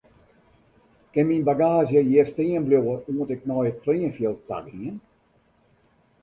Kin myn bagaazje hjir stean bliuwe oant ik nei it fleanfjild ta gean?